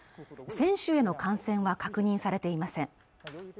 選手への感染は確認されていません